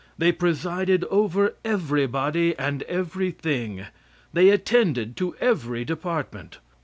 They presided over everybody and everything. They attended to every department.